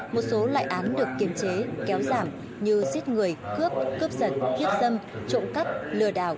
một số loại án được kiềm chế kéo giảm như giết người cướp cướp giật hiếp dâm trộm cắp lừa đảo